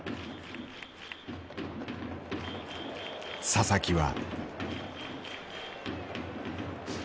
佐々木は。